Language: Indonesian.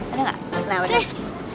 ada gak nah udah